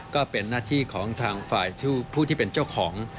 ก็เป็นหน้าที่ของทางฝ่ายผู้ที่เป็นเจ้าของ